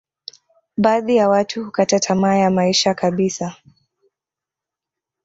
baadhi ya watu hukata tamaa ya maisha kabisa